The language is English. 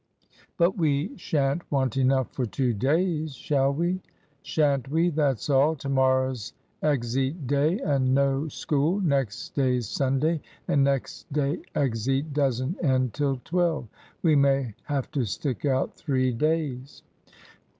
"But we shan't want enough for two days, shall we?" "Shan't we, that's all! To morrow's exeat day, and no school. Next day's Sunday, and next day exeat doesn't end till twelve. We may have to stick out three days."